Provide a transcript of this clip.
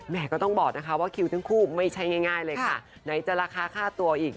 ก็ต้องบอกนะคะว่าคิวทั้งคู่ไม่ใช่ง่ายเลยค่ะไหนจะราคาค่าตัวอีก